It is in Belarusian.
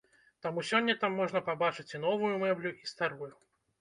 Таму сёння там можна пабачыць і новую мэблю, і старую.